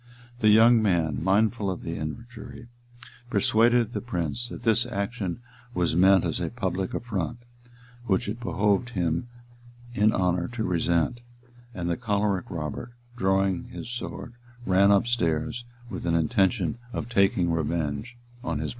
The young man, mindful of the injury, persuaded the prince that this action was meant as a public affront, which it behoved him in honor to resent; and the choleric Robert, drawing his sword, ran up stairs, with an intention of taking revenge on his brothers.